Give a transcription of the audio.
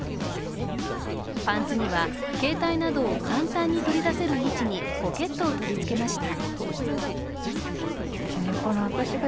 パンツには、携帯などを簡単に取り出せる位置にポケットを取り付けました。